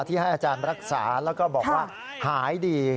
ที่ให้อาจารย์รักษาแล้วก็บอกว่าหายดี